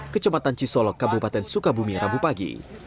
kecematan cisolok kabupaten sukabumi rabu pagi